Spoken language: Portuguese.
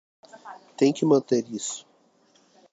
Tem que manter isso